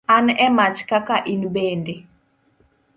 An e mach kaka in bende.